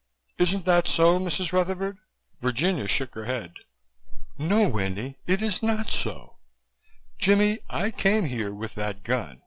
Isn't that so, Mrs. Rutherford?" Virginia shook her head. "No, Winnie, it is not so. Jimmie, I came here with that gun.